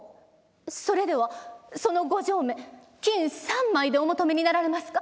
「それではそのご上馬金３枚でお求めになられますか。